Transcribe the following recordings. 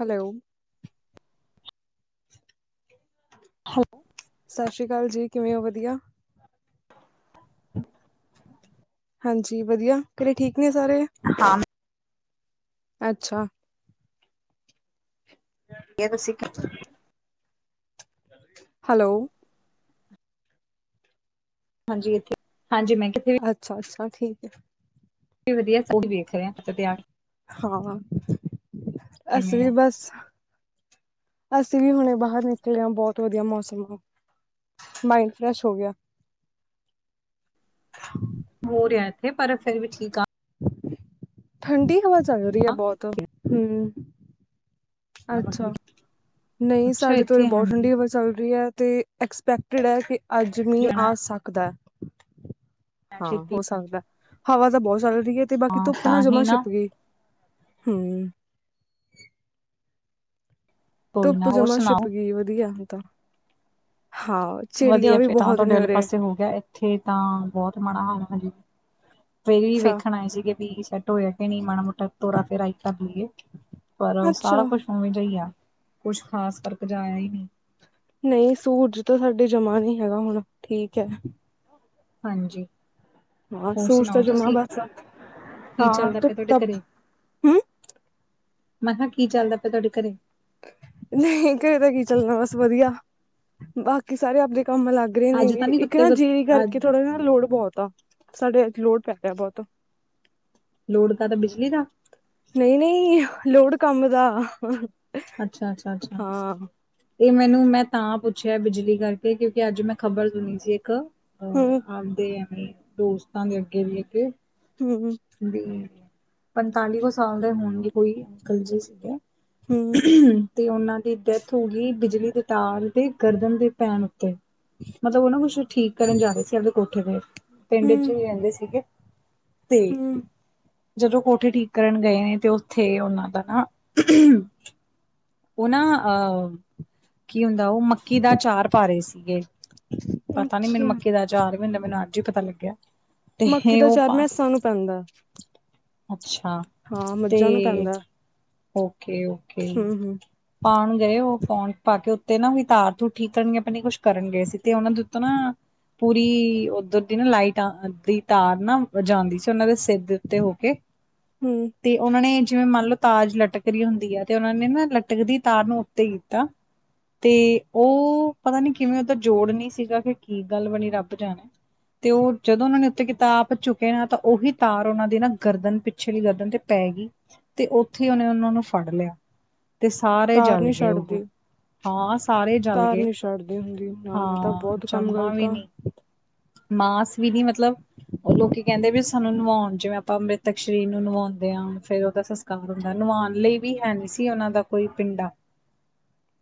Hello ਹੈਲ ਸਾ ਸ਼੍ਰੀ ਕਾਲ ਜੀ ਕਿਵੇਂ ਓ ਵਧੀਆ? ਹਾਂਜੀ ਵਧੀਆ ਘਰੇ ਠੀਕ ਨੇ ਸਾਰੇ? ਹਾਂ ਅੱਛਾ। ਦੀਆ ਤੁਸੀਂ ਕੀ ਕਰ ਹਲੋ। ਹਾਂਜੀ, ਇੱਥੇ ਹਾਂਜੀ ਮੈਂ ਕਿੱਥੇ ਵੀ ਅੱਛਾ-ਅੱਛਾ ਠੀਕ ਐ। ਵਧੀਆ ਸੂਟ ਵੇਖ ਰੇ ਆਂ [unintelligible] ਹਾਂ, ਅਸੀ ਕਿਵੇਂ ਵੀ ਆ ਬਸ ਅਸੀ ਵੀ ਹੁਣੇ ਬਾਹਰ ਨਿਕਲੇ ਆਂ ਬੋਤ ਵਧੀਆ ਮੌਸਮ ਆ ਮਾਇੰਡ ਫਰੈਸ਼ ਹੋ ਗਿਆ। ਹੋ ਰਿਆ ਏਥੇ ਪਰ ਫੇਰ ਵੀ ਠੀਕ ਆ। ਠੰਡੀ ਹਵਾ ਚੱਲ ਰੀ ਆ ਬੋਤ, ਹਮ ਅੱਛਾ, ਨਈ ਅੱਛਾ ਸਾਡੇ ਤਾਂ ਓਰੇ ਇੱਥੇ ਬੋਤ ਹਾਂਜੀ ਠੰਡੀ ਹਵਾ ਚਲ ਰੀ ਐ ਤੇ ਐਕਸਪੈਕਟਡ ਐ ਕੀ ਅੱਜ ਮ੍ਹੀਂ ਜਾਣਾ ਆ ਸਕਦੈ। ਹਾਂ, ਛੇਤੀ ਹੋ ਸਕਦੈ ਹਵਾ ਤਾਂ ਬੋਤ ਚੱਲ ਰੀਐ ਤੇ ਬਾਕੀ ਹਾਂ ਧੁੱਪ ਨਾ ਤਾਂ ਹੀ ਜਮਾਂ ਛਿਪ ਗੀ। ਹਮ। ਕੋਈ ਨਾ ਧੁੱਪ ਹੋਰ ਜਮਾਂ ਛਿਪ ਸੁਣਾਓ ਗੀ, ਵਧੀਆ ਹੁਣ ਤਾਂ, ਹਾਂ। ਚਿੜੀਆਂ ਵਧੀਆ ਵੀ ਫੇਰ ਤਾਂ ਬਹੁਤ ਤੁਆਡੇ ਨੇ ਵਾਲੇ ਉਰੇ ਪਾਸੇ ਹੋ ਗਿਐ, ਏ ਉੱਥੇ ਤਾਂ ਬੋਤ ਮਾੜਾ ਹਾਲ ਹਜੇ ਫੇ ਵੀ ਅੱਛਾ ਵੇਖਣ ਆਏ ਸੀਗੇ ਵੀ [unintelligible] ਟੋਇਆ ਕੇ ਨਈ ਮਾੜਾ-ਮੋਟਾ ਤੋਰਾ ਫੇਰਾ ਈ ਕਰਲੀਏ ਪਰ ਸਾਰਾ ਅੱਛਾ ਕੋਛ ਓਵੇਂ ਜਾ ਈ ਆ ਕੁਛ ਖਾਸ ਫਰਕ ਜਾ ਆਇਆ ਈ ਨੀ। ਨਈ ਸੂਰਜ ਤਾਂ ਸਾਡੇ ਜਮਾਂ ਨੀ ਹੈਗਾ ਹੁਣ ਠੀਕ ਐ। ਹਾਂਜੀ। ਹਾਂ ਹੋਰ ਸੂਰਜ ਤਾਂ ਸੁਣਾਓ ਜਮਾ ਤੁਸੀਂ ਬਸ ਕੀ ਹਾਂ ਚੱਲਦਾ ਪਿਆ ਧੁੱਪ ਤੁਆਡੇ ਤਾਂ ਘਰੇ? ਹਮ ਮੈਂਹ ਕੀ ਚੱਲਦਾ ਪਿਆ ਤੁਆਡੇ ਘਰੇ? ਨਈਂ ਘਰੇ ਤੇ ਕੀ ਚੱਲਣਾ, ਬਸ ਵਧੀਆ ਬਾਕੀ ਸਾਰੇ ਆਪਣੇ ਕੰਮ ਲੱਗ ਗਰੇ ਨੇ, ਅੱਜ ਤਾਂ ਨੀ ਇੱਕ ਕੁੱਤੇ ਨਾ ਜੀਰੀ ਅ ਕਰਕੇ ਥੋੜਾ ਨਾ ਲੋੜ ਬੋਤ ਆ ਸਾਡੇ ਨਾ ਅੱਜ ਲੋਡ ਪੈ ਰਿਆ ਬੋਤ। ਲੋਡ ਕਾਦਾ ਬਿਜਲੀ ਦਾ। ਨਈ-ਨਈ ਲੋਡ ਕੰਮ ਦਾ। ਅੱਛਾ-ਅੱਛਾ-ਅੱਛਾ ਹਮ ਤੇ ਮੈਨੂੰ ਮੈਂ ਤਾਂ ਪੁੱਛਿਐ ਬਿਜਲੀ ਕਰਕੇ ਕਿਉਂਕੀ ਅੱਜ ਮੈਂ ਖ਼ਬਰ ਸੁਣੀ ਸੀ ਇੱਕ ਹਮ ਆਵਦੇ ਐਵੇਂ ਦੋਸਤਾਂ ਦੇ ਅੱਗੇ ਦੀ ਅੱਗੇ ਹਮ ਵੀ ਪੰਤਾਲੀ ਕੁ ਸਾਲ ਦੇ ਹੋਣਗੇ ਕੋਈ ਅੰਕਲ ਜੀ ਸੀਗੇ। ਹਮ ਤੇ ਓਨਾਂ ਦੀ ਡੈਥ ਹੋਗੀ ਬਿਜਲੀ ਦੇ ਤਾਲ ਦੀ ਗਰਦਨ ਦੇ ਪੈਣ ਉੱਤੇ, ਮਤਲਬ ਓ ਨਾ ਕੁੱਛ ਠੀਕ ਕਰਨ ਜਾ ਰੇ ਸੀ ਆਪਦੇ ਕੋਠੇ ਤੇ। ਪਿੰਡ ਹਮ ਚੋਂ ਈ ਰੈਂਦੇ ਸੀਗੇ ਤੇ ਹਮ ਜਦੋਂ ਕੋਠੇ ਠੀਕ ਕਰਨ ਗਏ ਨੇ ਤੇ ਉੱਥੇ ਉਹਨਾਂ ਦਾ ਨਾ, ਉਹ ਨਾ ਅਹ, ਕੀ ਹੁੰਦਾ ਵਾ ਉਹ ਮੱਕੀ ਦਾ ਅਚਾਰ- ਪਾਰੇ ਸੀਗੇ, ਪਤਾ ਨੀ ਮੈਨੂੰ ਅੱਛਾ ਮੱਕੀ ਦਾ ਆਚਾਰ ਕੀ ਹੁੰਦਾ ਮੈਨੂੰ ਅੱਜ ਹੀ ਪਤਾ ਲੱਗਿਆ। ਮੱਕੀ ਤੇ ਦਾ ਉਹ ਅਚਾਰ ਨਾ ਪਾ ਮੈਸਾਂ ਨੂੰ ਪੈਂਦਾ। ਅੱਛਾ, ਹਾਂ ਤੇ ਮੱਝਾਂ ਨੂੰ ਪੈਂਦਾ ਓਕੇ- ਓਕੇ। ਹਮ ਹਮ ਪਾਉਣ ਗਏ ਉਹ ਪਾਉਣ ਪਾ ਕੇ ਉੱਤੇ ਨਾ ਤਾਰ ਤੁਰ ਠੀਕ ਕਰਨਗੇ ਪਤਾ ਨੀ ਕੁੱਛ ਕਰਨ ਗਏ ਸੀ ਤੇ ਉਹਨਾਂ ਦੇ ਉੱਤੋਂ ਨਾ- ਪੂਰੀ ਉੱਧਰ ਦੀ ਨਾ ਲਾਈਟਾ ਦੀ ਤਾਰ ਨਾ ਜਾਂਉਂਦੀ ਸੀ ਉਹਨਾਂ ਦੇ ਸਿਰ- ਦੇ ਉੱਤੇ ਹੋ ਕੇ, ਹੂੰ ਤੇ ਉਹਨਾਂ ਨੇ ਜਿਵੇਂ ਮੰਨਲਓ ਤਾਰ ਜਿਹੀ ਲਟਕਰੀ ਹੁੰਦੀ ਹੈ। ਤੇ ਉਹਨਾਂ ਨੇ ਨਾ ਲਟਕਦੀ ਤਾਰ ਨੂੰ ਉੱਤੇ ਕੀਤਾ। ਤੇ ਉਹ ਪਤਾ ਨੀ ਕਿਵੇਂ ਉਹਦਾ ਜੋੜ ਨਹੀਂ ਸੀਗਾ ਕਿ ਕੀ ਗੱਲ ਬਣੀ ਰੱਬ ਜਾਣੇ। ਤੇ ਉਹ ਜਦੋਂ ਉਹਨਾਂ ਨੇ ਉੱਤੇ ਕਿਤਾ ਆਪ ਝੁਕੇ ਨਾ ਤਾਂ ਉਹੀ ਤਾਰ ਉਹਨਾਂ ਦੀ ਨਾ ਗਰਦਨ ਪਿੱਛੇ ਲਈ ਗਰਦਨ ਤੇ- ਪੈ ਗਈ ਤੇ ਉੱਥੇ ਉਹਨੇ ਉਹਨਾਂ ਨੂੰ ਫੜ ਲਿਆ ਤੇ ਸਾਰੇ ਤਾਰ ਜਲ ਨੀ ਗਏ ਉਹ। ਛੱਡਦੀ ਹਾਂ ਸਾਰੇ ਹੀ ਜਲ ਤਾਰ ਗਏ, ਨੀ ਛੱਡਦੀ ਹੁੰਦੀ ਨਾ ਨਾ ਤਾਂ ਹਾਂ ਬਹੁਤ ਕੰਮ ਜੰਮਾ ਗ਼ਲਤ ਵੀ ਆ ਨੀ। ਮਾਸ ਵੀ ਨੀ ਮਤਲਬ, ਉਹ ਲੋਕੀ ਕਹਿੰਦੇ ਵੀ- ਸਾਨੂੰ ਨਵਾਉਣ ਜਿਵੇਂ ਆਪਾਂ ਮ੍ਰਿਤਕ ਸਰੀ ਨੂੰ ਨਵਾਉਂਦੇ ਹਾਂ ਫੇਰ ਉਹਦਾ ਸੰਸਕਾਰ ਹੁੰਦਾ ਨਵਾਉਣ ਲਈ ਵੀ ਹੈ ਨਹੀਂ ਸੀ। ਉਹਨਾਂ ਦਾ ਕੋਈ ਪਿੰਡਾ,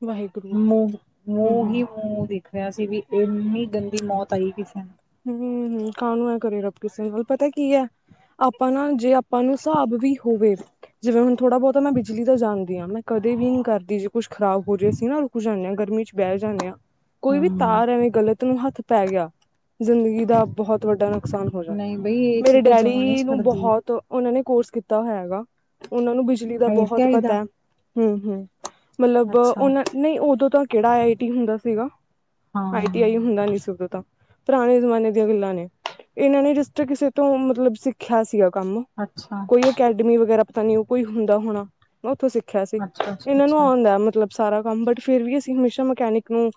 ਵਾਹਿਗੁਰੂ ਮ ਹੂੰ ਮੂੰਹ ਹੂੰ ਹੀ ਮੂੰਹ ਓਦਿੱ। ਹੋਆ ਸੀ ਵੀ ਇੰਨੀ ਗੰਦੀ ਮੌਤ ਆਈ ਕਿ- ਹੂੰ -ਹੂੰ ਕਾਲ ਨੂੰ ਨਾ ਕਰੇ ਰੱਬ ਕੀਸੇ ਨੂੰ, ਪਤਾ ਕੀ ਹੈ। ਆਪਾਂ ਨਾ ਜੇ ਆਪਾਂ ਨੂੰ ਹਿਸਾਬ ਵੀ ਹੋਵੇ। ਜਿਵੇਂ ਹੁਣ ਥੋੜਾ ਬਹੁਤਾ ਮੈਂ ਬਿਜਲੀ ਦਾ ਜਾਂਦੀ ਹਾਂ ਮੈਂ ਕਦੇ ਵੀ ਨੀ ਕਰਦੀ ਜੇ ਕੁੱਛ ਖਰਾਬ ਹੋ ਜਾਹੇ ਸੀ ਨਾ। ਕੁਛ ਹੁੰਦੇ ਹਾਂ ਗਰਮੀ ਚ ਬਹਿ ਜਾਂਦੇ ਹਾਂ, ਕੋਈ ਵੀ ਹਮ ਤਾਰ ਐਵੇਂ ਗਲਤ ਨੂੰ ਹੱਥ ਪੈ ਗਿਆ। ਜ਼ਿੰਦਗੀ ਦਾ ਬਹੋਤ ਵੱਡਾ ਨੁਕਸਾਨ ਹੋ ਜਾਂਦਾ, ਨਹੀਂ ਬਈ ਇਹ ਮੇਰੇ ਚੀਜ਼ ਤਾਂ ਜਮਾ ਨੀ ਡੈਡੀ ਨੂੰ ਛੱਡਦੀ ਬਹੋਤ। ਉਹਨਾਂ ਨੇ ਕੋਰਸ ਕੀਤਾ ਹੋਇਆ ਦਾ, ਉਹਨਾਂ ਨੂੰ ਬਿਜਲੀ ਦਾ ਆਈ ਟੀ ਬਹੁਤ ਆਈ ਦਾ ਪਤਾ, ਹੂੰ -ਹੂੰ। ਮੈਨੂੰ ਲੱਗਦਾ ਅੱਛਾ ਉਹਨਾ ਨਹੀਂ ਓਦੋਂ ਤਾਂ ਕਿਹੜਾ ਆਈ ਟੀ ਹੁੰਦਾ ਸੀਗਾ। ਆਈ ਟੀ ਹਾਂ ਹੁੰਦਾ ਨੀ ਸੀ ਓਦਾਂ ਤਾਂ। ਪੁਰਾਣੇ ਜ਼ਮਾਨੇ ਦੀਆਂ ਗੱਲਾਂ ਨੇ, ਇਹਨਾਂ ਨੇ ਜਿਸ ਤਰਾਂ ਕਿਸੇ ਤੋਂ ਮਤਲਬ ਸਿੱਖਿਆ ਸੀਗਾ ਕੰਮ। ਅੱਛਾ। ਕੋਈ ਅਕੈਡਮੀ ਵਗੈਰਾ ਪਤਾ ਨੀ ਉਹ ਕੋਈ ਹੁੰਦਾ ਹੋਣਾ, ਤੋ ਉੱਥੋਂ ਸਿੱਖਿਆ ਸੀ, ਅੱਛਾ ਅੱਛਾ ਇਹਨਾਂ ਨੂੰ ਅੱਛਾ ਆਉਂਦਾ ਮਤਲਬ। ਸਾਰਾ ਕੰਮ ਬਟ ਫੇਰ ਵੀ ਅਸੀਂ ਹਮੇਸ਼ਾ ਮਕੈਨਿਕ ਨੂੰ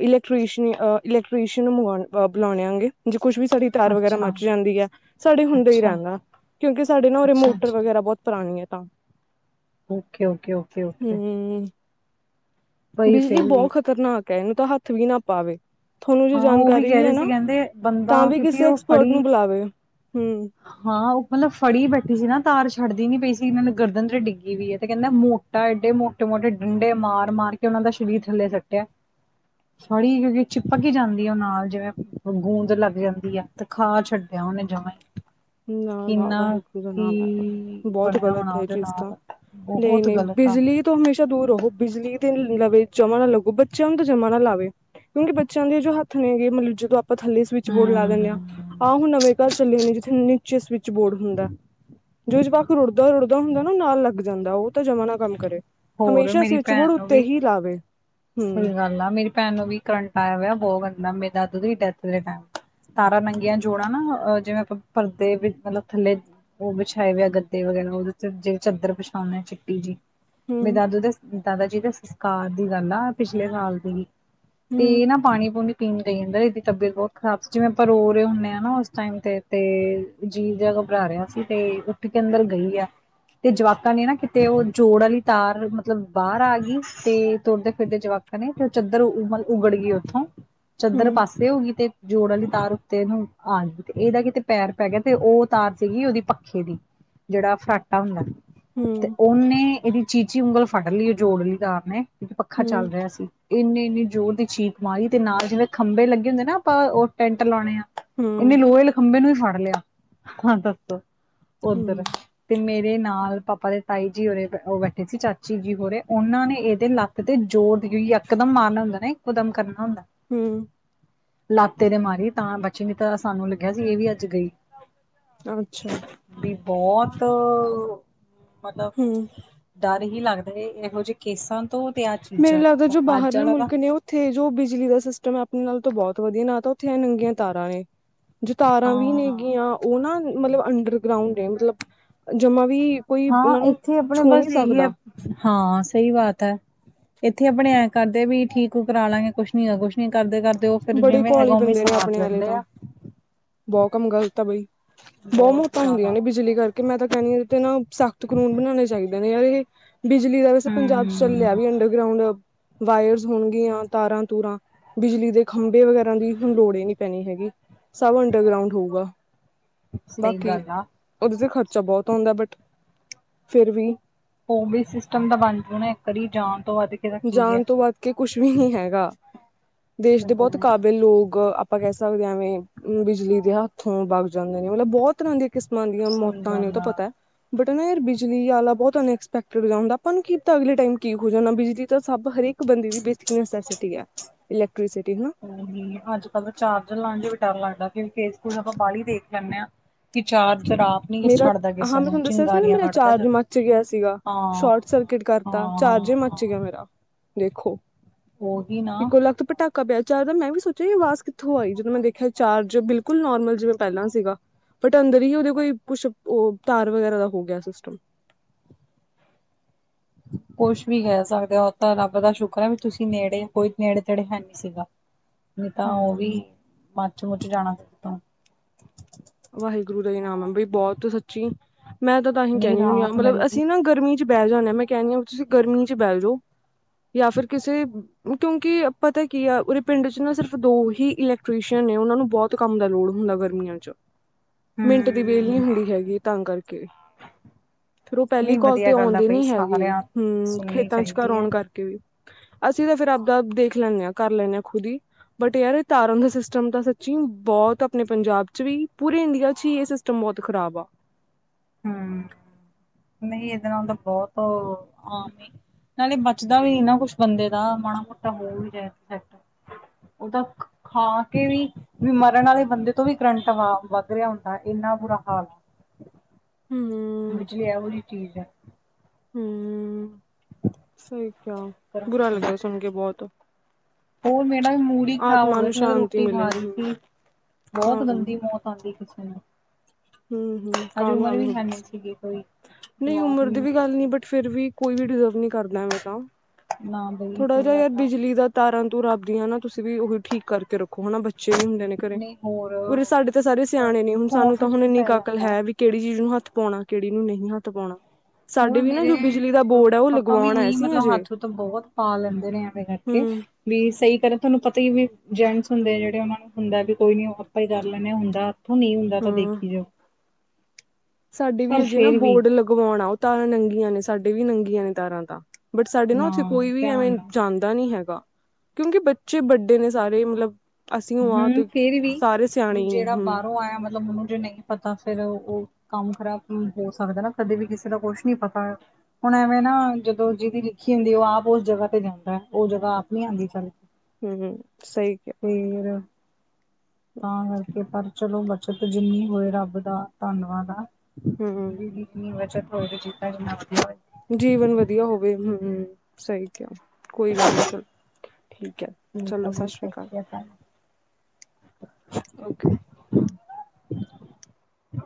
ਇਲੈਕਟ੍ਰ ਇਲੈਕਟ੍ਰੀਨ ਮੰਗਵਾਨਾ। ਬੁਲਾਉਣਿਆਂਗੇ ਜੇ ਕੁੱਛ ਵੀ ਸਾਡੀ- ਤਾਰ ਵਗੈਰਾ ਅੱਛਾ ਮੱਚ ਜਾਂਦੀ ਹੈ, ਸਾਡੇ ਹੁੰਦਾ ਹੀ ਅੱਛਾ ਰਹਿੰਦਾ ਕਿਉਂਕਿ ਸਾਡੇ ਨਾ ਉਹ ਅੱਛਾ ਰੇਮੋਟਰ ਅੱਛਾ ਵਗੈਰਾ ਬਹੁਤ- ਪੁਰਾਣੀ ਹੈ ਤਾਂ। Okay- okay, okay- okay. ਹਮ ਬਈ ਬਿਜਲੀ ਫੇਰ ਵੀ ਬਹੋਤ ਖ਼ਤਰਨਾਕ ਹੈ ਇਹਨੂੰ ਤਾਂ ਹੱਥ ਵੀ ਨਾ ਪਾਵੇ, ਤੁਹਾਨੂੰ ਜੇ ਹਾਂ ਜਾਣ- ਉਹ ਵੀ ਕਹਿ ਨਹੀਂ ਰਹੇ ਹੈ ਸੀ ਨਾ, ਕਹਿੰਦੇ ਬੰਦਾ ਤਾਂ ਵੀ ਕਿਉਂਕਿ ਕਿਸੇ ਉਹ ਐਕਸਪਰਟ ਫੜੀ ਨੂੰ ਬੁਲਾਵੇ ਹੂੰ। ਹਾਂ ਉਹ ਮਤਲਬ ਫੜੀ ਬੈਠੀ ਸੀ ਨਾ ਤਾਰ ਛੱਡਦੀ ਨੀ ਪਈ ਸੀ ਇਹ ਨੂੰ ਗਰਦਨ ਤੇ ਡਿੱਗੀ ਵੀਈ ਹੈ ਤੇ ਕਹਿੰਦਾ ਮੋ- ੱਟਾ ਏਡੇ ਮੋਟੇ- ਮੋਟੇ ਡੰਡੇ ਮਾਰ- ਮਾਰ ਕੇ ਉਹਨਾਂ ਦਾ ਸਰੀਰ ਥੱਲੇ ਸੱਟਿਆ। ਫੜੀ ਜਿਵੇੰ ਉਹ ਚਿਪਕ ਜਾਂਦੀ ਹੈ ਨਾਲ ਜਿਵੇਂ, ਗੂੰਦ ਲੱਗ ਜਾਂਦੀ ਆ। ਤੇ ਖਾ ਛੱਡਿਆ ਉਹਨੇ ਜਮਾ ਹੀ। ਨਾ- ਨਾ ਕਿੰਨਾ ਵਾਹਿਗੁਰੂ ਕੀ ਨਾਲ ਹੈੈਂ ਬਹੋਤ ਬਣਿਆ ਹੋਣਾ ਗ਼ਲਤ ਹੈ ਇਹ ਉਹਦੇ ਚੀਜ਼ ਤਾਂ ਨਾਲ ਨਹੀਂ- ਬਹੁਤ ਨਹੀਂ ਗ਼ਲਤ ਆ ਬਿਜਲੀ- ਤੋਂ ਹਮੇਸ਼ਾ ਦੂਰ ਰਹੋ ਬਿਜਲੀ ਤੇ ਲਵੇ ਜਮਾ ਨਾ ਲੱਗੋ ਬੱਚਿਆਂ ਨੂੰ ਤਾਂ ਜਮਾ ਨਾ ਲਾਵੇ। ਕਿਉਂਕਿ ਬੱਚੇਆਂ ਦੇ ਜੋ ਹੱਥ ਨੇਗੇ ਮਤਲਬ ਜਦੋਂ ਆਪ ਆਪਾਂ ਥੱਲੇ ਸਵਿਚ ਬੋਰਡ ਲੈ ਦੇਨੇ ਆਂ, ਹਮ ਆਮ ਨਵੇਂ ਘਰ ਚੱਲੇ ਹੁੰਦੇ ਜਿੱਥੇ ਨੀਚੇ ਸਵਿਚ ਬੋਰਡ ਹੁੰਦੈ। ਜੋ ਜਵਾਕ ਰੁੜਦਾ-ਰੁੜਦਾ ਹੁੰਦਾ ਨਾ ਨਾਲ ਲੱਗ ਜਾਂਦਾ ਤਾਂ ਜਮ੍ਹਾਂ ਨਾ ਕੰਮ ਕਰੇ। ਹੋਰ ਹਮੇਸ਼ਾ ਮੇਰੀ ਸਵਿਚ ਭੈਣ ਬੋਰਡ ਨੂੰ ਉੱਤੇ ਵੀ ਹੀ ਲਾਵੇ, ਹੂੰ। ਸਹੀ ਗੱਲ ਮੇਰੀ ਭੈਣ ਨੂੰ ਵੀ ਕਰੰਟ ਆਯਾ ਹੋਯਾ ਬਹੋਤ ਗੰਦਾ ਮੇਰੇ ਦਾਦੂ ਦੀ ਡੈਥ ਦੇ ਟੈਮ। ਤਾਰਾਂ ਨੰਗੀਆਂ ਜੋੜਾਂ ਨਾ ਜਿਵੇਂ ਆਪਾਂ ਪਰਦੇ ਵਿੱਚ ਮਤਲਬ ਥੱਲੇ ਓ ਵਿਛਾਏ ਹੋਆ ਗੱਦੇ ਵਗੈਰਾ ਓਦੇ ਤੇ ਚੱਦਰ ਵਿਛਾਉਂਨੇ ਆ ਚਿੱਟੀ ਜੀ। ਮੇਰੇ ਹੂੰ ਦਾਦੂ ਦੇ ਦਾਦਾ ਜੀ ਦੇ ਸੰਸਕਾਰ ਦੀ ਗੱਲ ਆ ਪਿਛਲੇ ਸਾਲ ਦੀ। ਤੇ ਹੂੰ ਨਾ ਪਾਣੀ-ਪੂਣੀ ਪੀਣ ਦੇ ਜਾਂਦਾ ਇਦੀ ਤਬੀਅਤ ਬੋਤ ਖਰਾਬ ਸੀ ਜਿਵੇਂ ਆਪਾਂ ਰੋਰੇ ਹੁੰਨੇ ਆਂ ਨਾ ਉਸ ਟਾਈਮ ਤੇ ਜੀ ਜ ਘਬਰਾ ਰੇਆ ਸੀ ਤੇ ਉੱਠ ਕੇ ਅੰਦਰ ਗਈ ਆ ਤੇ ਜਵਾਕਾਂ ਨੇ ਨਾ ਕਿਤੇ ਉਹ ਜੋੜ ਆਲੀ ਤਾਰ ਮਤਲਬ ਬਾਰ ਆ ਗਈ ਤੇ ਤੁਰਦੇ-ਫਿਰਦੇ ਜਵਾਕਾਂ ਨੇ ਤੇ ਓ ਚੱਦਰ ਤਲ ਉਗੜ ਗਈ ਓਥੋਂ, ਚੱਦਰ ਹੂੰ ਪਾਸੇ ਹੋ ਗਈ ਤੇ ਜੋੜ ਆਲੀ ਤਾਰ ਉੱਤੇ ਨੂੰ ਆ ਗਈ ਤੇ ਏਦਾ ਕਿਤੇ ਪੈਰ ਪੈ ਗਿਆ ਤੇ ਓ ਤਾਰ ਸੀਗੀ ਓਦੀ ਪੱਖੇ ਦੀ। ਜੇੜਾ ਫਰਾਟਾ ਹੁੰਦਾ ਤੇ ਹੂੰ ਓਨੇ ਏਦੀ ਚੀਚੀ ਉਂਗਲ ਫੜ ਲਈ ਓ ਜੋੜ ਆਲੀ ਤਾਰ ਨੇ ਪੱਖਾ ਚੱਲ ਹੂੰ ਰੇਆ ਸੀ। ਏਨੀੇ ਇੰਨੀ ਜ਼ੋਰ ਦੀ ਚੀਕ ਮਾਰੀ ਤੇ ਨਾਲ ਜਿਵੇਂ ਖੰਭੇ ਲੱਗੇ ਹੁੰਦੇ ਨਾ ਆਪਾਂ ਓ ਟੈਂਟ ਲਾਉਣੇ ਆ ਹੂੰ ਏਨੇ ਲੋਹੇ ਆਲੇ ਖੰਬੇ ਨੂੰ ਵੀ ਫੜ ਲੇਆ ਦੱਸੋ ਓਦਨ। ਹੂੰ ਤੇ ਮੇਰੇ ਨਾਲ ਪਾਪਾ ਦੇ ਤਾਈ ਜੀ ਉਰੇ ਓ ਬੈਠੇ ਸੀ ਚਾਚੀ ਜੀ ਹੋਰੇ ਓਹਨਾਂ ਨੇ ਏਦੇ ਲੱਤ ਤੇ ਜੋੋਰਈ ਇਕਕਦਮ ਮਾਰਨਾ ਹੁੰਦਾ ਨਾ ਇੱਕੋ ਦੱਮ ਕਰਨਾ ਹੁੰਦੈ। ਹੂੰ। ਲੱਤ ਏਦੇ ਮਾਰੀ, ਤਾਂ ਬਚੀ ਨੀ ਤਾਂ ਸਾਨੂੰ ਲੱਗੇਆ ਸੀ ਐ ਵੀ ਅੱਜ ਗਈ। ਅੱਛਾ ਵੀ ਬੋਤ ਮਤਬ ਹੂੰ। ਡਰ ਹੀ ਲੱਗਦਾ ਇਹੋ ਜਿਹੇ ਕੇਸਾਂ ਤੋਂ ਤੇ ਆਹ ਚੀਜਾਂ ਅੱਜ ਆਲਾ ਤਾਂ ਓਥੇ ਜੋ ਬਿਜਲੀ ਦਾ ਸਿਸਟਮ ਐ ਅਪਨੇ ਨਾਲ ਤਾਂ ਬੋਤ ਵਧੀਆ, ਨਾ ਤਾਂ ਓਥੇ ਐ ਨੰਗੀਆਂ ਤਾਰਾਂ ਨੇ ਜੇ ਤਾਰਾਂ ਵੀ ਨੇ ਹਾਂ ਗੀਆਂ ਓਨਾ ਮਤਲਬ ਅੰਡਰਗਰਾਉਂਡ ਨੇ, ਮਤਲਬ ਜਮਾ ਵੀ ਕੋਈ ਹਾਂ, ਉਹਨਾਂ ਨੂੰ ਏਥੇ ਅਪਣੇ ਛੂਹ ਬਸ ਨਹੀਂ ਏਹੀ ਐ ਸਕਦਾ ਹਾਂ, ਸਈ ਬਾਤ ਐ। ਏਥੇ ਅਪਣੇ ਐਂ ਕਰਦੇ ਵੀ ਠੀਕ ਕਰਾ ਲਾਂਗੇ, ਕੁਛ ਨੀ-ਕੁਛ ਨੀ ਕਰਦੇ-ਕਰਦੇ ਤੇ ਓ ਫੇਰ ਬੜੇ ਜਿਵੇਂ ਹੈਗਾ, ਘੋਲੀ ਓਵੀ ਸਾਰ ਲੈਂਦੇ ਆ। ਬਓ ਕੰਮ ਗ਼ਲਤ ਆ ਬਈ, ਬਓ ਬਹੁਤ ਮੌਤਾਂ ਹੁੰਦੀਆਂ ਜ਼ਿਆਦਾ ਨੇ ਬਿਜਲੀ ਕਰਕੇ। ਕਿ ਮੈਂ ਤਾਂ ਕੈਂਨੀਂ ਆ ਏਦੇ ਤੇ ਨਾ ਸਖਤ ਕਾਨੂੰਨ ਬਣਾਣੇ ਚਾਈਦੇ ਨੇ ਯਾਰ ਏਦੇ ਤੇ। ਬਿਜਲੀ ਦਾ ਵੈਸੇ ਪੰਜਾਬ ਚ ਚੱਲੇਆ ਹੂੰ ਵੀ ਅੰਡਰਗਰਾਊਂਡ ਵਾਯਰਸ ਹੋਣਗੀਆਂ ਤਾਰਾਂ-ਤੂਰਾਂ ਬਿਜਲੀ ਦੇ ਖੰਭੇ ਵਗੈਰਾ ਦੀ ਹੁਣ ਲੋੜ ਹੀ ਨੀ ਪੈਣੀ ਹੈਗੀ, ਸਭ ਅੰਡਰਗਰਾਉਂਡ ਹੋਊਗਾ। ਸਹੀ ਬਾਕੀ ਗੱਲ ਆ। ਓਦੇ ਤੇ ਖਰਚਾ ਬਓ ਆਂਦਾ ਬਟ, ਫੇਰ ਵੀ ਓਵੀ ਸਿਸਟਮ ਤਾਂ ਬਣ ਜਾਓ ਇੱਕ ਵਾਰੀ, ਜਾਣ ਤੋਂ ਵੱਧ ਕੇ ਤਾਂ ਕੀ ਜਾਣ ਹੈ। ਤੋਂ ਵੱਧ ਕੇ ਕੁਛ ਵੀ ਨੀ ਹੈਗਾ, ਦੇਸ਼ ਤੇ ਦੇ ਬੋਤ ਹੋਰ ਕਾਬਿਲ ਲੋਕ ਆਪਾਂ ਕੈ ਸਕਦੇ ਆਂ ਐਵੇਂ ਬਿਜਲੀ ਦੇ ਹੱਥੋਂ ਬਗ ਜਾਂਦੇ ਨੇ, ਮਤਲਬ ਬਹੋਤ ਤਰ੍ਹਾਂ ਦੇ ਕਿਸਮਾਂ ਦੀਆਂ ਸਹੀ ਮੌਤਾਂ ਨੇ ਗੱਲ ਓਤਾਂ ਆ। ਪਤੈ। ਬਟ ਨਾ ਯਾਰ ਬਿਜਲੀ ਵਾਲਾ ਬੋਤ ਅਨਐਕਸਪੈਕਟਡ ਜਾਂ ਹੁੰਦਾ ਆਪਾਂ ਨੂੰ ਕੀ ਪਤਾ ਅਗਲੇ ਟਾਈਮ ਕੀ ਹੋ ਜਾਨਾਂ ਬਿਜਲੀ ਸਬ ਹਰੇਕ ਬੰਦੇ ਦੀ ਬੇਸਿਕ ਨਸੈਸਟੀ ਆ ਇਲੈਕਟ੍ਰੀਸਿਟੀ, ਹਨਾ। ਅੱਜ-ਕੱਲ ਤਾਂ ਚਾਰਜਰ ਲਾਣ ਜ ਵੀ ਡਰ ਲੱਗਦਾ ਕਿਉਂਕਿ ਰੀਲਸ ਆਪਾਂ ਬਾਹਲੀ ਦੇਖ ਲੈਣੇ ਆਂ। ਕਿ ਚਾਰਜਰ ਆਪ ਨੀ ਕਿਸ ਮੇਰਾ ਛੱਡਦਾ ਹਾਂ ਕਿਸੇ ਮੈਂ ਨੂੰ ਤੁਹਾਨੂੰ ਦੱਸਿਆ ਸੀ ਨਾ ਚਿੰਗਾਰੀਆਂ ਮੇਰਾ ਕੱਢਦੈ ਚਾਰਜ ਜਦੋਂ। ਮੱਚ ਗਿਆ ਸੀਗਾ ਹਾਂ। ਸ਼ੋਰਟ ਸਰਕਿਟ ਕਰਤਾ ਚਾਰਜ ਈ ਹਾਂ-ਹਾਂ-ਹਾਂ ਮੱਚ ਗਿਆ ਮੇਰਾ ਦੇਖੋ, ਉਹੀ ਨਾ ਇੱਕੋ ਲਖਤ ਪਟਾ ਕਾ ਪਿਆ ਚਾਰ ਦਾ ਮੈਂ ਵੀ ਸੋਚਿਆ ਆਵਾਜ਼ ਕਿੱਥੋਂ ਆਈ ਜਦੋਂ ਮੈਂ ਦੇਖਿਆ ਚਾਰਜ ਬਿਲਕੁੱਲ ਨੋਰਮਲ ਜਿਵੇਂ ਪੈਲਾਂ ਸੀਗਾ ਤੇ ਅੰਦਰ ਹੀ ਉਦੇ ਕੋਈ ਕੁਛ ਓ ਤਾਰ ਵਗੈਰਾ ਦਾ ਹੋ ਗਿਆ ਸਿਸਟਮ। ਕੁਛ ਵੀ ਕੈ ਸਕਦੇ ਓ ਤਾਂ ਰੱਬ ਦਾ ਸ਼ੁਕਰ ਐ ਵੀ ਤੁਸੀਂ ਨੇੜੇ ਕੋਈ ਨੇੜੇ ਤੇੜੇ ਹੈ ਨੀ ਸੀਗਾ ਨਈ ਤਾਂ ਓ ਵੀ ਹਮ ਮੱਚ ਮੁੱਚ ਜਾਣਾ ਤੋਂ। ਵਾਹਿਗੁਰੂ ਦਾ ਈ ਨਾਮ ਆ ਬੀ ਬੋਤ ਸੱਚੀ ਮੈਂ ਤਾਂ ਤਾਂਹੀ ਨਹੀਂ ਕੈਂਨੀ ਹੁੰਨੀ ਆ ਰਾਹਤ ਮਤਲਬ ਮਿਲ ਗਈ ਅਸੀਂ ਨਾ ਗਰਮੀ ਚ ਬੈ ਜਾਂਨੇ ਆ ਮੈਂ ਕੈਂਨੀ ਆ ਵੀ ਤੁਸੀਂ ਗਰਮੀ ਚ ਬੈ ਜੋ ਜਾਂ ਫਿਰ ਕਿਸੇ ਕਿਉਂਕਿ ਪਤਾ ਕੀ ਆ ਉਰੇ ਪਿੰਡ ਚ ਨਾ ਸਿਰਫ਼ ਦੋ ਹੀ ਇਲੈਕਟ੍ਰੀਸ਼ੀਅਨ ਨੇ ਉਨਾਂ ਨੂੰ ਬੋ ਤ ਕੰਮ ਦਾ ਲੋੜ ਹੁੰਦਾ ਗਰਮੀਆਂ ਚ ਮਿੰਟ ਦੀ ਵੇਲ ਨੀ ਹੂੰ। ਹੁੰਦੀ ਹੈਗੀ ਤਾਂ ਕਰਕੇ ਫੇਰ ਓ ਪੈਲੀ ਨਹੀਂ ਕਾਲ ਵਧੀਆ ਤੇ ਗੱਲ ਆ ਆਉਂਦੇ ਬਈ ਨੀ ਹੈਗੇ ਸਾਰਿਆਂ ਹੂੰ ਸੁਣਨੀ ਖੇਤਾਂ ਚ ਘਰ ਚਾਹੀਦੀ ਹੈ ਆਉਣ ਕਰ ਕੇ ਵੀ ਅਸੀਂ ਤਾਂ ਫੇਰ ਆਪਦਾ ਦੇਖ ਲੈਂਨੇ ਆ, ਕਰ ਲੈਂਨੇ ਆ ਖੁਦ ਈ ਬਟ ਯਾਰ ਐ ਤਾਰਾਂ ਦਾ ਸਿਸਟਮ ਤਾਂ ਸੱਚੀ ਬੋਤ ਆਪਣੇ ਪੰਜਾਬ ਚ ਵੀ ਪੂਰੇ ਇੰਡੀਆ ਚ ਈ ਏ ਸਿਸਟਮ ਬੋਤ ਖ਼ਰਾਬ ਆ। [inaudible] ਨਈ ਏਦੇ ਨਾਲ ਤਾਂ ਬੋਤ ਅ ਆਮ ਈ ਨਾਲੇ ਬਚਦਾ ਵੀ ਨਾ ਕੁਛ ਬੰਦੇ ਦਾ ਮਾੜਾ ਮੋਟਾ ਹੋ ਵੀ ਜਾਏ ਸੈਂਟ। ਉਦਾ ਖਾ ਕੇ ਵੀ ਮਰਨ ਆਲੇ ਬੰਦੇ ਤੋਂ ਵੀ ਕਰੰਟ ਵਾ ਵੱਧ ਰੇਆ ਹੁੰਦਾ ਇੰਨਾ ਬੁਰਾ ਹਾਲ ਆ। ਹੂੰ। ਬਿਜ਼ਲੀ ਐਹੋ ਜੀ ਚੀਜ਼ ਐ। ਹੂੰ, ਸਈ ਕੇਆ ਬੁਰਾ ਲੱਗਿਆ ਸੁਣ ਕੇ ਬੋਤ। ਹੋਰ ਮੇਰਾ ਨਾ ਮੂਡ ਈ ਖ਼ਰਾਬ ਹੋ ਗਿਆ ਸੀ ਮੈਂ ਤਾਂ ਸ਼ਾਂਤੀ ਰੋਟੀ ਖਾ ਮਿਲੇ ਰੀ ਹੂੰ ਸੀ ਬੋਤ ਕਾਨੂੰ ਗੰਦੀ ਮੌਤ ਆਂਦੀ ਕਿਸੇ ਨੂੰ। ਹੂੰ-ਹੂੰ ਹਜੇ ਕਾਨੂੰ ਉਮਰ ਐਵੇਂ ਵੀ ਹੋਵੇ ਹੈ ਨੀ ਕਿਸੇ, ਸੀਗੀ ਕੋਈ ਨਈ ਉਮਰ ਦੀ ਵੀ ਗੱਲ ਨੀ ਬ ਫਿਰ ਵੀ ਕੋਈ ਵੀ ਡਿਜ਼ਰਵ ਨੀ ਕਰਦਾ ਐਵੇਂ ਤਾਂ। ਨਾ ਬਈ ਥੋੜਾ ਸਈ ਜਿਹਾ ਗੱਲ ਯਾਰ ਆ। ਬਿਜਲੀ ਦਾ ਤਾਰਾਂ ਤੁਰਾ ਆਪਦੀਆਂ ਨਾ ਤੁਸੀਂ ਵੀ ਉਹ ਠੀਕ ਕਰਕੇ ਰੱਖੋ ਹਨਾ ਬੱ ਚੇ ਵੀ ਹੁੰਦੇ ਨੇ ਘਰੇ, ਨਹੀਂ ਹੋਰ ਉਰੇ ਸਾਡੇ ਤਾਂ ਸਾਰੇ ਸਿਆਣੇ ਨੇ ਹੁਣ ਸਾਨੂੰ ਖੌਫ ਤਾਂ ਚ ਹੁਣ ਹੀ ਇੰਨੀ ਕ ਪੈ ਅੰਕਲ ਜਾਂਦਾ ਹੈ ਵੀ ਕੇੜੀ ਚੀਜ਼ ਨੂੰ ਹੱਥ ਪਾਉਣਾ, ਕੇੜੀ ਨੂੰ ਨਹੀ ਹੱਥ ਪਾਉਣਾ। ਹੋਰ ਸਾਡੇ ਵੀ ਨਾ ਮੇਰੇ ਜੋ ਬਿਜਲੀ ਦਾ ਬੋਰਡ ਹੈ ਉਹ ਪਾਪਾ ਵੀ ਲਗਵਾਉਣਾ ਉਈ ਅਸੀਂ ਮਤਲਬ ਅਜੇ ਹੱਥ ਹੁਥ ਬੋਤ ਪਾ ਲੈਂਦੇ ਨੇ ਐਵੇਂ ਕਰ ਹੂੰ। ਵੀ ਸਈ ਕਰਨ ਤੁਹਾਨੂੰ ਪਤਾ ਈ ਵੀ ਜੈਂਟਸ ਹੁੰਦੇ ਆ ਜੇੜੇ ਉਨਾਂ ਨੂੰ ਹੁੰਦਾ ਵੀ ਕੋਈ ਨੀ ਆਪਾਂ ਈ ਕਰ ਲੈਂਨੇ ਆ ਹੁੰਦਾ ਥੋਂ ਨੀ ਹੁੰਦਾ ਤਾਂ ਹਾਂ ਦੇਖੀ ਜਾਓ। ਸਾਡੇ ਵੀ ਪਰ ਹਜੇ ਨਾ ਫੇਰ ਵੀ ਬੋਰਡ ਲਗਵਾਉਣਾ ਓ ਤਾਰਾਂ ਨੰਗੀਆਂ ਨੇ ਸਾਡੇ ਵੀ ਨੰਗੀਆਂ ਨੇ ਤਾਰਾਂ ਤਾਂ। ਬਟ ਸਾਡੇ ਨਾ ਉੱਥੇ ਕੋਈ ਵੀ ਧਿਆਨ ਐਵੇਂ ਨਾਲ ਜਾਂਦਾ ਨੀ ਹੈਗਾ ਕਿਉਂਕਿ ਬੱਚੇ ਵੱਡੇ ਨੇ ਸਾਰੇ ਮਤਲਬ ਅਸੀਂ ਹੋ ਆ ਹੂੰ ਤੇ ਫੇਰ ਵੀ ਸਾਰੇ ਸਿਆਣੇ ਹੀ ਨੇ ਜੇੜਾ ਹੂੰ ਬਾਰੋਂ ਆਇਆ ਮਤਲਬ ਉਨੂੰ ਜੇ ਨਈ ਪਤਾ ਫੇਰ ਓ ਕੰਮ ਖ਼ਰਾਬ ਹੋ ਸਕਦਾ ਨਾ ਕਦੇ ਵੀ ਕਿਸੇ ਦਾ ਕੁਛ ਨੀ ਪਤਾ। ਹੁਣ ਐਵੇਂ ਨਾ ਜਦੋਂ ਜਿਦੀ ਲਿਖੀ ਹੁੰਦੀ ਓ ਆਪ ਉਸ ਜਗਾਂ ਤੇ ਜਾਂਦੈ ਓ ਜਗਾਂ ਆਪ ਨੀ ਆਂਦੀ ਚੱਲ ਕੇ। ਹੂੰ ਸਈ ਕੇਆ। ਫੇਰ, ਤਾਂ ਕਰਕੇ ਪਰ ਚਲੋ ਵ ਚਤ ਜਿੰਨੀ ਹੋਏ ਰੱਬ ਦਾ ਧੰਨਵਾਦ ਆ, ਹੂੰ ਵੀ [inaudible] ਜੀਵਨ ਵਧੀਆ ਹੋਵੇ ਹੂੰ ਸਹੀ ਕਿਆ। ਕੋਈ ਗੱਲ ਨੀ, ਚਲੋ ਠੀਕ ਐ ਠੀਕ ਚਲੋ ਆ ਸਤਿ ਬਈ ਸ੍ਰੀ ਅਕਾਲ। ਸ਼੍ਰੀ ਓਕੇ,